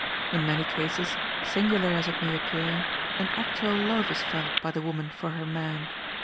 In many cases, singular as it may appear, an actual love is felt by the woman for "her man."